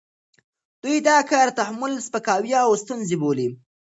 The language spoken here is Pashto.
دوی دا کار تحمیل، سپکاوی او ستونزه بولي،